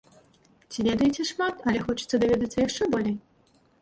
Ці ведаеце шмат, але хочацца даведацца яшчэ болей?